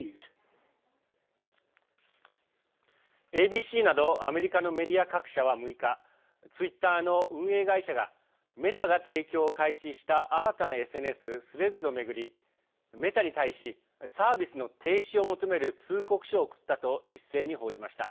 ＡＢＣなどアメリカのメディア各社は６日ツイッターの運営会社がメタが提供を開始した新たなＳＮＳ、スレッズを巡りメタに対しサービスの停止を求める通告書を送ったと一斉に報じました。